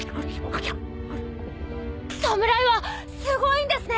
侍はすごいんですね！